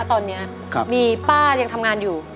ตอนนี้มีป้ายังทำงานอยู่